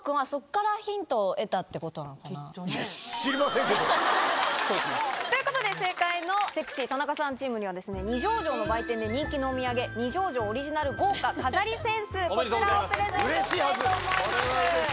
得たってことなのかな？ということで正解の「セクシー田中さんチーム」には二条城の売店で人気のお土産二条城オリジナル豪華飾り扇子こちらをプレゼントしたいと思います。